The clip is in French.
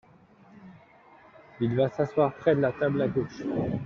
Il va s’asseoir près de la table, à gauche.